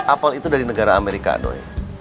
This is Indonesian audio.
apel itu dari negara amerika doi